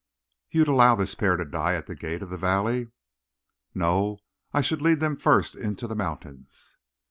You'd allow this pair to die at the gate of the valley?" "No; I should lead them first into the mountains."